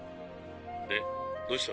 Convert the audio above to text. でどうした？